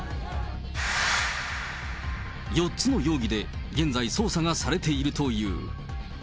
４つの容疑で現在、捜査がされているという。